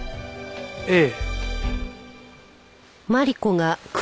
ええ。